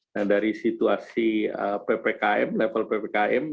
nah dari situasi ppkm